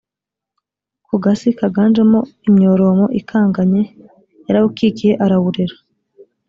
ku gasi kaganjemo imyoromo ikanganye: yarawukikiye, arawurera.